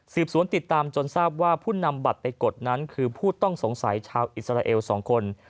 สวนติดตามจนทราบว่าผู้นำบัตรไปกดนั้นคือผู้ต้องสงสัยชาวอิสราเอล๒คน